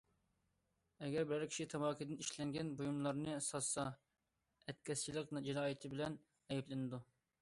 ئەگەر بىرەر كىشى تاماكىدىن ئىشلەنگەن بۇيۇملارنى ساتسا ئەتكەسچىلىك جىنايىتى بىلەن ئەيىبلىنىدۇ.